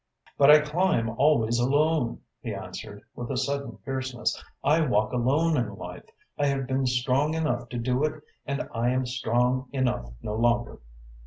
"But I climb always alone," he answered, with a sudden fierceness. "I walk alone in life. I have been strong enough to do it and I am strong enough no longer.